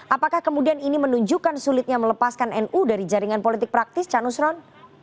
apakah kemudian ini menunjukkan sulitnya melepaskan nu dari jaringan politik praktis cak nusron